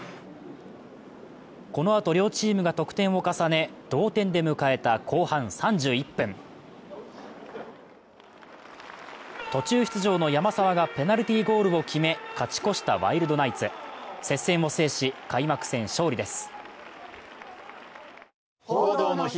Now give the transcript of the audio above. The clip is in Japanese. このあと両チームが得点を重ね、同点で迎えた後半３１分、途中出場の山沢がペナルティーゴールを決め勝ち越したワイルドナイツ、接戦を制し開幕戦勝利です。